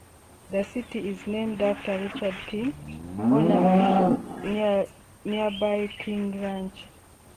The city is named after Richard King, owner of nearby King Ranch.